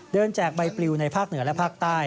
แจกใบปลิวในภาคเหนือและภาคใต้